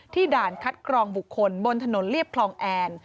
ด่านคัดกรองบุคคลบนถนนเรียบคลองแอน